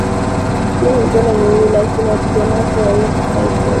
hii kwa mikono miwili lakini wapiganaji wa West Side Boys